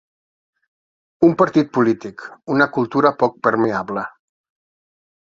Un partit polític, una cultura poc permeable.